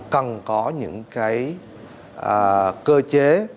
cần có những cái cơ chế